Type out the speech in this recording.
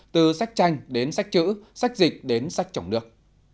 từ sách tranh đến sách chữ sách dịch đến sách trong nước